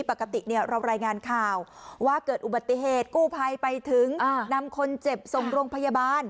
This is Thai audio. ปกติเรารายงานข่าวว่าเกิดอุบัติเหตุกู้ภัยไปถึงนำคนเจ็บส่งโรงพยาบาล